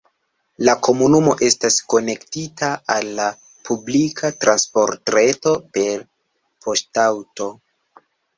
La komunumo estas konektita al la publika transportreto per poŝtaŭto.